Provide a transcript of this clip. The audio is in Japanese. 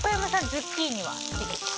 ズッキーニは好きですか？